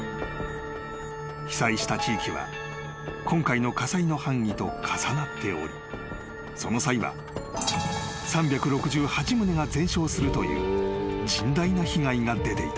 ［被災した地域は今回の火災の範囲と重なっておりその際は３６８棟が全焼するという甚大な被害が出ていた］